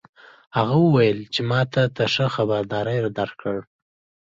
هغه وویل چې ما تا ته ښه خبرداری درکړ